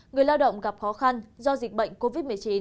người lao động gặp khó khăn do dịch bệnh covid một mươi chín